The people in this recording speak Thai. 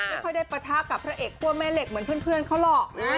ไม่ค่อยได้ปะทะกับพระเอกคั่วแม่เหล็กเหมือนเพื่อนเขาหรอก